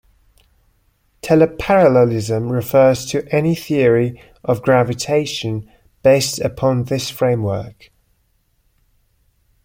Teleparallelism refers to any theory of gravitation based upon this framework.